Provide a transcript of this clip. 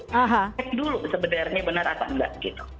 check dulu sebenarnya benar atau enggak gitu